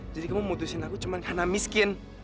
jadi kamu memutuskan aku cuma karena miskin